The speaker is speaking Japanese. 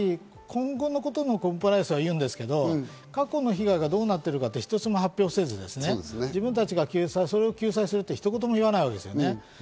統一教会は今後のことのコンプライアンスは言うんですけれど、過去の被害がどうなってるかって、一つも発表せず、自分たちがそれを救済するってひと言も言わないわけですよね。